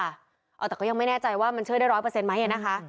อ่ะแต่ก็ยังไม่แน่ใจว่ามันเชื่อได้๑๐๐ไหมเหรอนะคะ